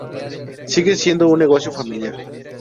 Sigue siendo un negocio familiar.